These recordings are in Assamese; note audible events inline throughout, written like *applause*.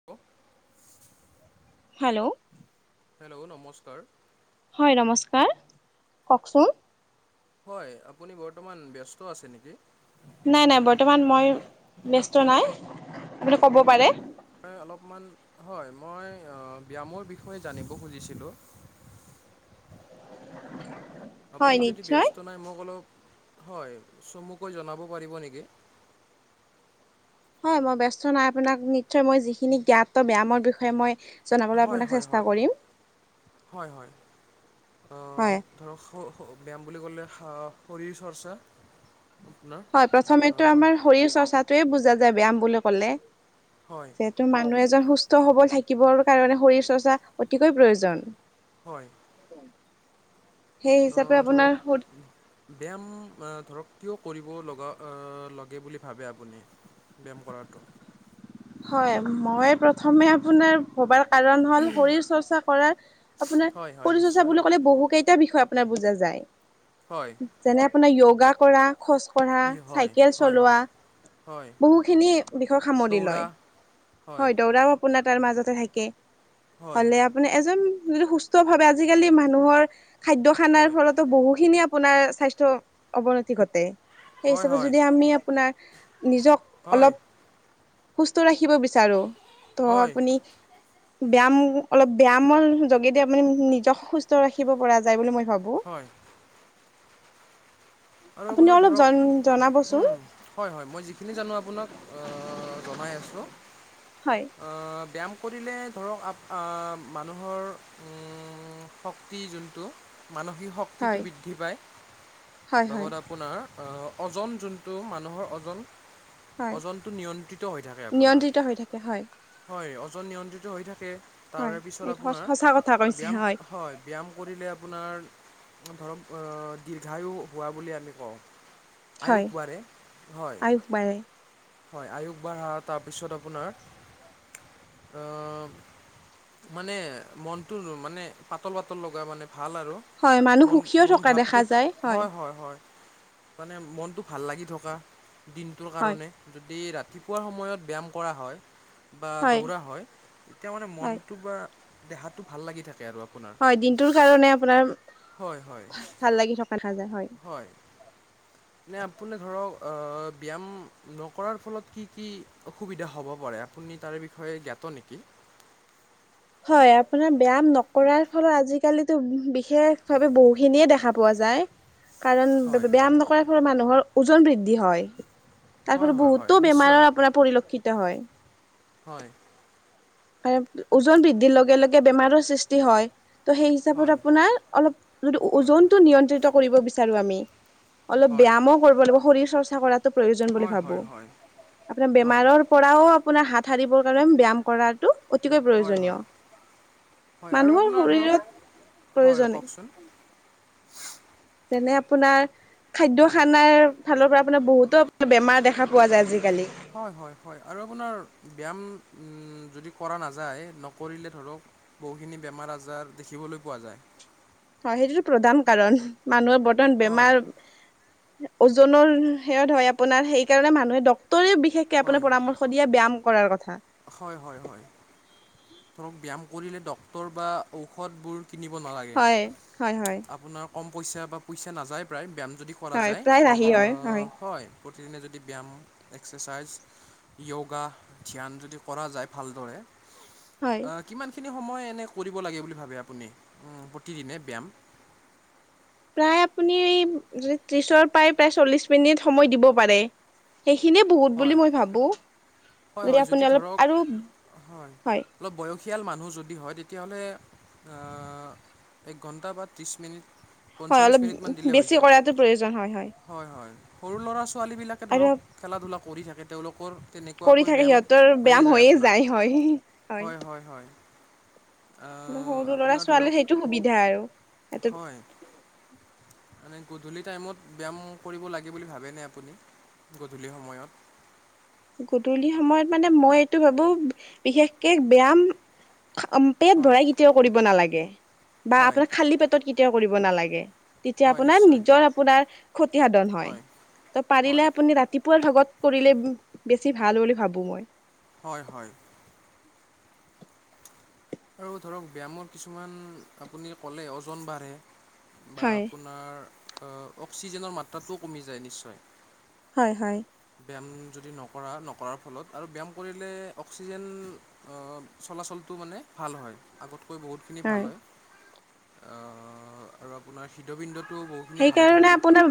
*inaudible* হেল্ল, হেল্ল, নমস্কাৰ। হয়, নমস্কাৰ কওঁকচোন। হয়, আপুনি বৰ্তমান ব্যস্ত আছে নেকি? নাই নাই বৰ্তমান মই ব্যস্ত নাই, আপুনি ক'ব পাৰে। হয়, অলপমান হয় মই ব্যায়ামৰ বিষয়ে জানিব খুজিছিলোঁ। হয় আপুনি যদি নিশ্চয় ব্যস্ত নাই মোক অলপ, হয় চমুকৈ জনাব পাৰিব নেকি? হয়, মই ব্যস্ত নাই আপোনাক নিশ্চয় মই যিখিনি জ্ঞাত ব্যায়ামৰ বিষয়ে মই জনাবলৈ হয়, আপোনাক হয়, চেষ্টা হয়, কৰিম হয়, হয়, অ হয় ধৰক, ব্যায়াম বুলি ক'লে শৰীৰ চৰ্চা আপোনাৰ হয়, আ, প্ৰথমেটো আমাৰ শৰীৰ চৰ্চাটয়ে বুজা যায় ব ব্যায়াম বুলি ক'লে। হয়। যিহেতু মানুহ এজন সুস্থ হ'ব থাকিবৰ কাৰণে শৰীৰ চৰ্চা অতিকৈ প্ৰয়োজন। হয়। সেই অ, হিচাপে ধৰক আপোনাৰ ব্যায়াম ধৰক কিয় কৰিব লগা, লে বুলি ভাবে আপুনি? ব্যায়াম কৰাটো হয়, মই প্ৰথমে আপোনাৰ ভবা কাৰণ হ'ল শৰীৰ চৰ্চা কৰাৰ আপোনাৰ হয় হয় শৰীৰ চৰ্চা নিশ্চয় বুলি ক'লে বহু কেই এটা বিষয়ে আপোনাৰ বুজা যায় হয়। যেনে আপোনাৰ য়গা কৰা খজ পঢ়া ই হয় চাইকেল হয় চলোৱা, হয় হয় বহুখিনি বিষয়ে সামৰি দৌৰা লয়। হয়, দৌৰাও আপোনাৰ তাৰ মাজতে থাকে হয় হ'লে মানে এজন যদি সুস্থ ভাৱে আজিকালি মানুহৰ খাদ্য খানাৰ হয় ফলত বহোসিনি আপোনাৰ শ--অবনতি ঘটৈ হয় হয় *unintelligible* আপোনাৰ নিজক হয়। অলপ সুস্থ ৰাখিব বিচাৰো ত' হয় আপুনি ব্যায়ামৰ অলপ ব্যায়ামৰ যোগেদি আপুনি নিজক সুস্থ ৰাখিব পৰা যায় বুলি মই ভাবো। হয়। আৰু আপুনি আপোনাৰ অলপ ধৰক জন জনাবচোন হুম হয় হয় মই যিখিনি জানো আপোনাক অ জনাই আছোঁ হয় আ ব্যায়াম কৰিলে ধৰক আপ আ মানুহৰ উম উম শক্তি যোনটো মানসিক হয় শক্তিটো বৃদ্ধি পায় হয় হয় লগত আপোনাৰ অজন যোনটো মানুহৰ অজন হয় অজনটো নিয়ন্ত্ৰিত হৈ থাকে আপোনাৰ নিয়ন্ত্ৰিত হৈ থাকে হয় হয় অজন নিয়ন্ত্ৰিত হৈ থাকে হয় তাৰে পিছত এইটো আপোনাৰ সঁচা কথা কৈছে ব্যায়াম হয় ব্যায়াম কৰিলে আপোনাৰ ধৰক অ দীৰ্ঘায়ু হোৱা বুলি আমি কওঁ হয় আয়ুস বাঢ়ে হয় আয়ুস বাঢ়ে হয় আয়ুস বাঢ়া তাৰপিছত আপোনাৰ আ মানে মনটোৰ মানে পাতল পাতল লগা মানে ভাল আৰু হয় মানুহ মন সুখীও মন থকা ভাৱটো দেখা ভা- যায় হয় হয় হয় মানে মনটো ভাল লাগি থকা দিনটোৰ হয় কাৰণে যদি ৰাতিপুৱাৰ সময়ত ব্যায়াম কৰা হয় বা দৌৰা হয় তেতিয়া মানে হয় মনটো বা দেহাটো ভাল লাগি থাকে আৰু আপোনাৰ হয় দিনটোৰ কাৰণে আপোনাৰ হয় হয় ভাল লাগি থকা যা্য় হয় হয় নে আপুনি ধৰক অ ব্যায়াম নকৰাৰ ফলত কি, কি অসুবিধা হ'ব পাৰে। আপুনি তাৰ বিষয়ে জ্ঞাত নিকি। হয়, আপোনাৰ ব্যায়াম নকৰাৰ ফলত আজিকালিতো বিশেষ ভাৱে বহুখিনিয়ে দেখা পোৱা যায়। কাৰণ হয় ব্যায়াম নকৰাৰ ফলত মানুহৰ ওজন বৃদ্ধি হয়। তাৰ হয় ফলত হয় হয় বহুতো নিশ্চয় বেমাৰৰ আপোনাৰ পৰিলক্ষিত হয়। হয়। হয় ওজন বৃদ্ধিৰ লগে, লগে বেমাৰৰ সৃষ্টি হয়। ত' সেই হিচাপত হয় আপোনাৰ অলপ হয় ওজনটো নিয়ন্ত্ৰিত কৰিব বিচাৰো আমি। অলপ হয় ব্যায়ামও কৰিব লাগিব শৰীৰ চৰ্চা কৰাতো প্ৰয়োজন বুলি হয় ভাবো হয় হয় আপোনাৰ হয় বেমাৰৰ পৰাও আপোনাৰ হাত সাৰিবৰ কাৰণে ব্যায়াম কৰা অতিকৈ হয় হয় হয় প্ৰয়োজনীয়। আৰু মানুহৰ আপোনাৰ ধৰক শৰীৰত হয় প্ৰয়োজনে। কওকচোন যেনে আপোনাৰ খাদ্য, হয় খানাৰ ফালৰ পৰা আপোনাৰ বহু-ত আপোনাৰ বেমাৰ দেখা পোৱা যায় আজিকালি। হয়, হয়, হয় আৰু আপোনাৰ ব্যায়াম যদি কৰা নাযায় নকৰিলে ধৰক বহুখিনি বেমাৰ আজাৰ দেখিবলৈ পোৱা যায়। হয়, সেইটো প্ৰদান কাৰণ মানুহৰ বৰ্তমান হয় বেমাৰ ওজনৰ হেয়ত হয় আপোনাৰ সেইকাৰণে মানুহে ডক্টৰে বিশেষ কে আপোনাৰ হয় পৰামৰ্শ দিয়ে ব্যায়াম কৰাৰ কথা। হয়, হয়, হয়। ধৰক ব্যায়াম কৰিলে ডক্টৰ বা ঔষধবোৰ কিনিব নালাগে। হয় হয় হয় আপোনাক কম পইচা বা পইচা নাযায় প্ৰায় ব্যায়াম যদি কৰা হয় যায়, প্ৰায় ৰাহি আ হয় হয়। প্ৰতিদিনে যদি ব্যায়াম এক্সেচাইজ য়োগা ধ্যান যদি কৰা যায় ভালদৰে হয় আহ, কিমানখিনি সময় এনে কৰিব লাগে বুলি ভাবে আপুনি উম প্ৰতিদিনে ব্যায়াম। প্ৰায় আপুনি ত্ৰিছৰ পৰাই প্ৰায় চল্লিছ মিনিট সময় দিব পাৰে। সেইখিনিয়ে বহুত হয় বুলি মই ভাবো। হয়, হয় আপুনি যদি অলপ ধৰক আৰু হয়। অলপ বয়সীয়াল মানুহ যদি হয়, তেতিয়াহলে আ এক ঘণ্টা বা ত্ৰিছ মিনিট, হয় পঞ্চল্লিছ অলপ মিনিটমান দিলে হৈ বেছি যায়। কৰাটো প্ৰয়োজন হয় হয়, হয়। সৰু ল'ৰা, ছোৱালীবিলাকে আৰু ধৰক, খেলা ধূলা কৰি থাকে। তেওঁলোকৰ তেনেকে কৰি থাকে ব্যায়াম সিহঁতৰ হৈয়ে ব্যায়াম যায় আপোনাৰ, হয় হয়, হয়, হয়। কিন্তু আহ, সৰু ল'ৰা, আপোনাৰ ধৰক ছোৱালীৰ সেইটো সুবিধা আৰু হয়। মানে গধূলি টাইমত ব্যায়াম কৰিব লাগে বুলি ভাবেনে আপুনি, গধূলি সময়ত গধূলি সময়ত মানে মই এইটো ভাবো, বিশেষকে ব্যায়াম পেট হয় ভৰাই কেতিয়াও কৰিব নালাগে, বা হয় আপোনাৰ খালী পেটত কেতিয়াও কৰিব নালাগে। তেতিয়া হয় আপোনাৰ নিশ্চয় নিজৰ আপোনাৰ ক্ষতি সাধন হয়। তহ পাৰিলে হয় আপুনি ৰাতি দুপৰীয়া ভাগত কৰিলে বেছি ভাল বুলি ভাবো মই। হয়, হয়। আৰু ধৰক ব্যায়ামৰ কিছুমান আপুনি কলে‌ ওজন বাঢ়ে। বা হয় আপোনাৰ অক্সিজেনৰ মাত্ৰাটোও কমি যায়, নিশ্চয়। হয়, হয়। ব্যায়াম যদি নকৰা, নকৰাৰ ফলত আৰু ব্যায়াম কৰিলে অক্সিজেন আ, চলাচলটো মানে ভাল হয়, আগতকৈ বহুতখিনি ভাল হয়, আৰু আপোনাৰ হৃদবিন্দুত সেইকাৰণে আপোনাৰ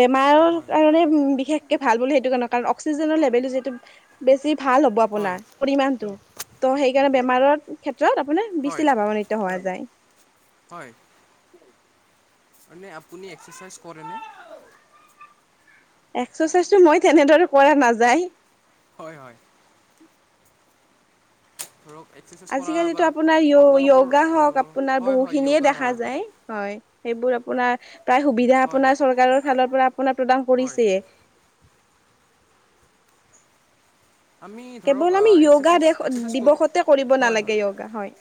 বেমাৰৰ হয় কাৰণে বিশেষ এহ ভাল বুলি সেইটো কাৰণে, কাৰণ অক্সিজেনৰ লেভেলটো যিটো বেছি ভাল হ'ব হয় আপোনাৰ পৰিমাণটো, তহ সেইকাৰণে বেমাৰৰ ক্ষেত্ৰত আপোনাৰ হয় বেছি লাভানিত হোৱা যায়। হয়। মানে আপুনি এক্সাৰচাইজ কৰেনে? এক্সাৰচাইজটো মই তেনেদৰে কৰা নাযায়। হয়, হয়। আৰু এক্সেৰচাইজ আজিকালিতো আপোনাৰ ইয়ো, ইয়োগা হওক, আহ, আপোনাৰ হয় হয় বহুখিনিয়ে য়োগা দেখা হয় যায়। হয়, সেইবোৰ আপোনাৰ প্ৰায় সুবিধা হয় আপোনাৰ চৰকাৰৰ ফালৰ পৰা আপোনাৰ প্ৰদান হয় কৰিছে। আমি ধৰক কেৱল আমি ইয়োগা এক্সাৰচাইজ দেশ, এক্সাৰচাইজ কৰি দিৱসতে কৰিব নালাগে ইয়োগা‌, হয়।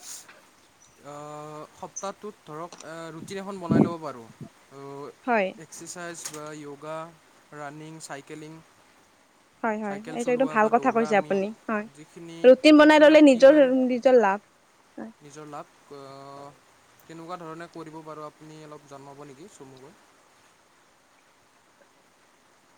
অহ, সপ্তাহটোত ধৰক, ৰুটিন এখন বনাই লব পাৰোঁ। ‌ হয় আহ এক্সাৰচাইজ বা ইয়োগ, ৰানিং, চাইকেলিং হয় হয় চাইকেল এইটো একদম চলোৱা ভাল বা কথা দৌৰা কৈছে আমি, আপুনি হয় যিখিনি ৰুটিন বনাই কেতিয়া ললে কি নিজৰ বাৰে নিজৰ লাভ হয় *inaudible* নিজৰ লাভ, আ, কেনেকুৱা ধৰণে কৰিব বাৰু আপুনি অলপ জনাব নেকি চমুকৈ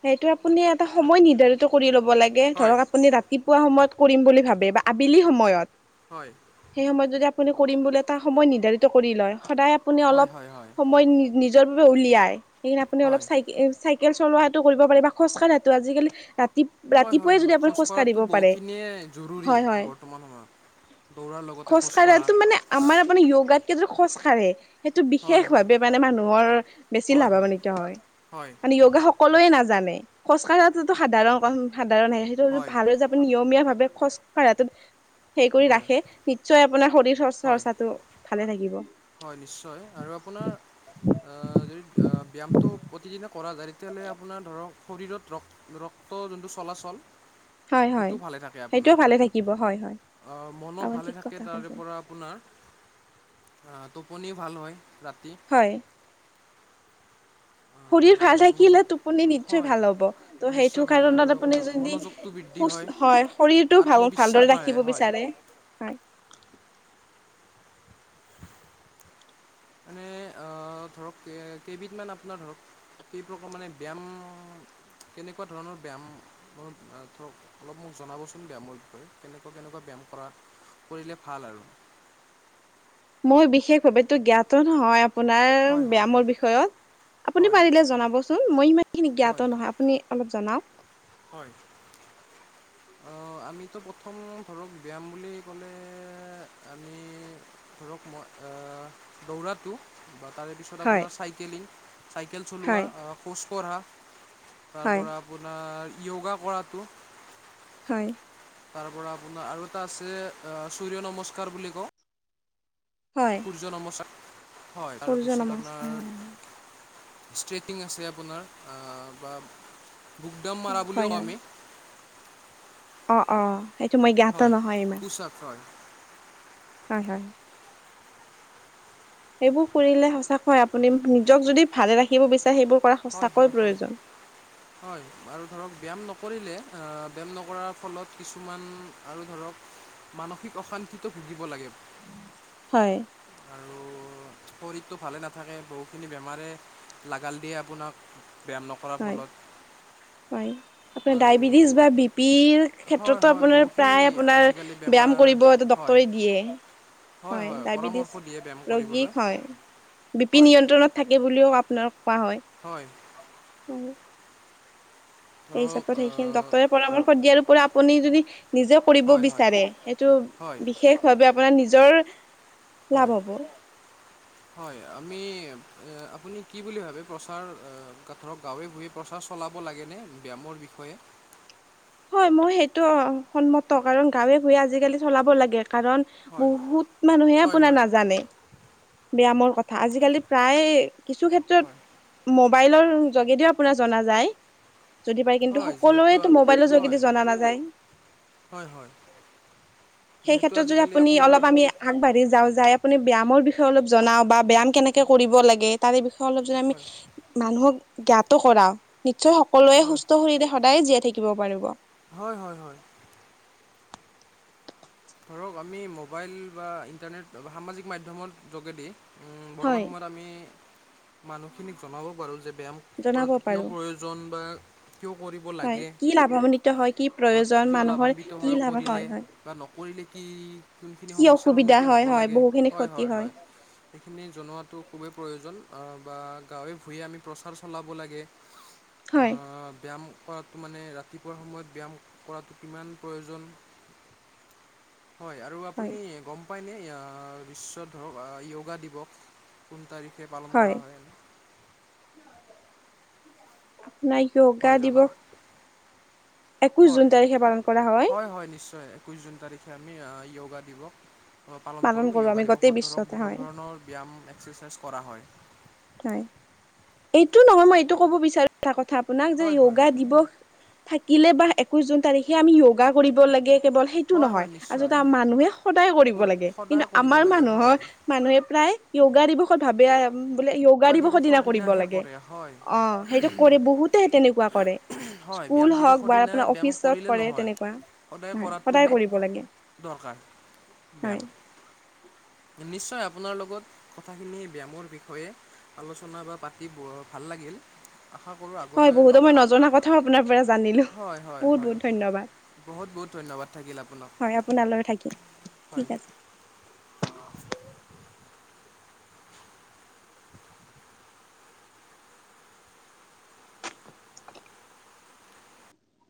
সেইটো আপুনি এটা সময় নিৰ্ধাৰিত কৰি লব লাগে, হয় ধৰক আপুনি ৰাতি ৰাতিপুৱা সময়ত কৰিম বুলি ভাবে বা আবেলি সময়ত হয়। সেই সময়ত যদি আপুনি কৰিম বুলি এটা সময় নিৰ্ধাৰিত কৰি লয়, সদায় আপুনি হয় অলপ হয় হয় সময় নিজৰ বাবে উলিয়াই, সেইকাৰণে আপুনি অলপ হয় হয় চাইক চাইকেল চলোৱাত কৰিব পাৰি বা খোজকাঢ়াটো আজিকালি ৰাতি হয়, হয়। ৰাতিপুৱাই যদি আপুনি খোজ কাঢ়িব খোজকঢ়াটো পাৰে বহুখিনিয়ে জৰুৰী হয় হয় বৰ্তমান সময়ত দৌৰাৰ লগতে খোজ খোজকঢ়া কঢ়াটো মানে আমাৰ মানে ইয়োগাতকে যে খোজ কাঢ়ে। সেইটো হয় হয় বিশেষভাৱে মানে মানুহৰ বেছি লাভান্বিত হয়। হয় মানে ইয়োগা সকলোৱে নাজানে খোজ কঢ়াটো সাধাৰণ কথা, সাধাৰণ আহে, হয় ভাবে যে নিয়মীয়া ভাৱে খোজকঢ়াতো হেই কৰি হয় ৰাখে নিশ্চয় আপোনাৰ শৰীৰ হয় চৰ্চাটো ভালে থাকিব। হয় নিশ্চয় আৰু আপোনাৰ যদি ব্যায়ামটো প্ৰতিদিনে কৰা যায় তেতিয়াহ'লে আপোনাৰ ধৰক শৰীৰত ৰক্ত ৰক্ত যোনটো চলাচল হয় হয় সেইটো ভালে থাকে সেইটোও আপোনাৰ ভালে থাকিব হয় হয় অ মনো আপুনি ভালে ঠিক থাকে কথা তাৰে কৈছে পৰা আপোনাৰ টোপনিও ভাল হয় ৰাতি হয় শৰীৰ আহ, ভাল থাকিলে মনোযোগ টোপনি নিশ্চয় হয় ভাল হব ত' নিশ্চয় সেইটো ভাল হয় আৰু কাৰণত আপুনি আপোনাৰ যদি মনোযোগটো বৃদ্ধি সুস্থ হয় শৰীৰটো ভাল আত্মবিশ্বাস ভালদৰে বাঢ়ে ৰাখিব হয় বিচাৰে। হয় মানে ধৰক কেইবিধমান আপোনাৰ ধৰক কেই প্ৰকাৰ মানে ব্যায়াম কেনেকুৱা ধৰণৰ ব্যায়াম ধৰক অলপ মোক জনাবচোন ব্যায়ামৰ বিষয়ে কেনেকুৱা কেনেকুৱা ব্যায়াম কৰা কৰিলে ভাল আৰু মই বিশেষভাৱে তো জ্ঞাত নহয়। আপোনাৰ হয় হয় ব্যামৰ বিষয়ত আপুনি হয় পাৰিলে জনাবচোন মই ইমান খিনি হয় জ্ঞাত নহয়। আপুনি অলপ জনাওক হয়। আমিতো প্ৰথম ধৰক ব্যায়াম বুলি ক'লে আমি ধৰক মই এ দৌৰাটো বা তাৰে তাৰপিছত হয় আপোনাৰ চাইকেলিং চাইকেল চলোৱা হয় খোজ কঢ়া তাৰ হয় পৰা আপোনাৰ যোগা কৰাটো হয়। তাৰ পৰা আপোনাৰ আৰু এটা আছে সূৰ্য নমস্কাৰ বুলি কওঁ হয়। *unintelligible* হয় সূৰ্য তাৰপিছত আপোনাৰ নমস্কাৰ হয় ষ্ট্ৰেইটিং আছে আপোনাৰ বা বুক দাম মৰা বুলিও কওঁ আমি অঁ অঁ হয় পোচ আপ হয়। হয় হয়। সেইবোৰ কৰিলে সঁচাকৈ আপুনি নিজক যদি ভালে ৰাখিব বিচাৰে সেইবোৰ কৰা হয় সঁচাকৈ হয় হয় প্ৰয়োজন। হয় আৰু ধৰক ব্যায়াম নকৰিলে ব্যায়াম নকৰাৰ ফলত কিছুমান আৰু ধৰক মানসিক অশান্তিটো ভুগিব লাগে। হয় আৰু শৰীৰটো ভালে নাথাকে বহুখিনি বেমাৰে লাগাল দিয়ে আপোনাক ব্যায়াম নকৰে। হোৱা হয় ফলত আৰু ৰিছভা বিপিৰ হয়, ক্ষেত্ৰতো হয়, আপোনাৰ বহুখিনি প্ৰায় আপোনাৰ আজিকালি ব্যায়াম বেমাৰ কৰিব সেইটো হয়, ডক্টৰে দিয়ে। হয় ডায়বেটিছ পৰামৰ্শ দিয়ে ব্যায়াম কৰিবলৈ। ৰোগীক হয় বিপি হয়, নিয়ন্ত্ৰণত থাকে বুলিও আপোনাক কোৱা হয়। হয় উম সেই ধৰক হিচাপত আ সেইখিনি ডক্তৰে পৰামৰ্শ দিয়াৰো পৰা আপুনি যদি নিজে কৰিব হয়, হয়, বিচাৰে সেইটো হয়, বিশেষ ভাৱে আপোনাৰ নিজৰ লাভ হয়। হ'ব। হয় আমি আপুনি কি বুলি ভাবে প্ৰচাৰ গ ধৰক গাঁৱে ভূহে। প্ৰচাৰ চলাব লাগেনে ব্যায়ামৰ বিষয়ে। হয় মই সেইটো সন্মত কাৰণ গাঁৱে ভূঞে আজিকালি চলাব লাগে, কাৰণ। হয়, বহুত মানুহে হয়, আপোনাৰ হয়, নাজানে। ব্যায়ামৰ কথা, আজিকালি প্ৰায় কিছু ক্ষেত্ৰত। হয়, মবাইলৰ যোগেদিও আপোনাৰ জনা যায়, যদি পাৰে কিন্তু হয়, যিহেতু সকলোৱে আ- মবাইলৰ যোগে। হয়, জনা নাযায়, হয়, হয়, সেই যিহেতু ক্ষেত্ৰত যদি আজিকালি আপুনি আপোনাৰ অলপ আমি। আগবাঢ়ি যাও যাই, আপুনি ব্যায়ামৰ বিষয়ে অলপ জনাও বা ব্যায়াম কেনেকে কৰিব লাগে। তাৰে বিষয়ে অলপ যদি আমি হয়, মানুহক জ্ঞাত কৰাও নিশ্চয়। সকলোৱে হয়, সুস্থ শৰীৰে সদায়ে জীয়াই থাকিব পাৰিব। হয় হয় হয়। ধৰক আমি মোবাইল বা, ইণ্টাৰনেট সামাজিক মাধ্যমৰ যোগেদি। বৰ্তমান হয় সময়ত আমি মানুহখিনিক জনাব পাৰোঁ যে, ব্যায়াম জনাব কৰাটো কিয় পাৰো প্ৰয়োজন। পৰিজন বা। কিয় কৰিব হয় লাগে, কি লাভান্বিত হয় কি প্ৰয়োজন কিয় মানুহৰ লাভান্বিত কি হয় লাভ কৰিলে হয় বা। কৰিলে কি কোনখিনি কি সমস্যাৰ অসুবিধা সন্মুখীন হয় হ'ব হয় লাগে, বহুখিনি হয় ক্ষতি হয় হয়। সেইখিনি জনোৱাটো খুবেই প্ৰয়োজন, বা গাঁৱে ভূঞে আমি প্ৰচাৰ চলাব লাগে। *unintelligible* হয় ব্যায়াম কৰাটো মানে ৰাতিপুৱাৰ সময়ত ব্যায়াম কৰাটো কিমান প্ৰয়োজন। হয় আৰু হয় আপুনি গম পায়নে, বিশ্ব ধৰক দিৱস *unintelligible* কোন তাৰিখে পালন কৰা হয়। আপোনাক ক অগা হয় দিব জনাব *unintelligible* একৈশ হয় জুন তাৰিখে পালন কৰা হয়। হয় নিশ্চয়। একৈছ জুন তাৰিখে আমি যয়োগা দিৱস। আহ, পালন কৰোঁ। কৰো আমি যয়োগা গোটেই দিৱসত ধৰক বিশ্বতে বহুত হয় ধৰণৰ ব্যায়াম এক্সাৰচাইজ কৰা হয়। হয়, এইটো নহয় মই এইটো ক'ব বিচাৰো এটা কথা আপোনাক যে হয় হয় যয়োগা দিৱস। থাকিলে বা, একৈশ জুন তাৰিখে আমি যয়োগা কৰিব লাগে। কেৱল সেইটো হয় নহয়। হয় নিশ্চয় আচলতে মানুহে সদায় কৰিব ক'ত লাগে, কিন্তু সদায় কৰিব আমাৰ লাগে মানুহৰ। হয় মানুহে প্ৰায় যয়োগা দিৱসত ভাবে। বোলে যয়োগা য়োগা দিৱসৰ দিনা কৰিব দিনাহে লাগে, কৰে হয় অ সেইটো কৰে বহুতে তেনেকুৱা কৰে। হয় ব্যায়াম স্কুল দিৱসৰ হওক বা, দিনাই আপোনাৰ ব্যায়াম অফিচত কৰিলে কৰে নহয় তেনেকুৱা সদায় সদায় কৰাটোহে কৰিব লাগে। দৰকাৰ হয় ব্যায়াম। নিশ্চয় আপোনাৰ লগত কথাখিনি ব্যায়ামৰ বিষয়ে। আলোচনা বা পাতি ভাল লাগিল। আশা কৰোঁ হয়, আগলৈ বহুতো লগ মই পাম নজনা কথাও আপোনাৰ পৰা জানিলো হয় হয় বহুত- হয় বহুত ধন্যবাদ। বহুত বহুত ধন্যবাদ থাকিল আপোনাক হয় আপোনালৈ থাকিল, ঠিক হয় আছে।